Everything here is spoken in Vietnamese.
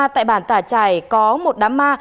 tại bàn tả trải có một đám ma